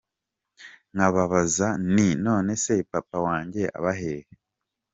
Nkababaza nti : none se papa wanjye aba hehe ?